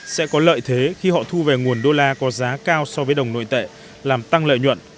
sẽ có lợi thế khi họ thu về nguồn đô la có giá cao so với đồng nội tệ làm tăng lợi nhuận